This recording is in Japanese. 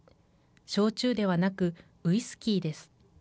焼酎ではなくウイスキーです。